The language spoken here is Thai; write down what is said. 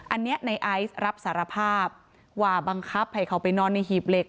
อันนี้ในไอซ์รับสารภาพว่าบังคับให้เขาไปนอนในหีบเหล็ก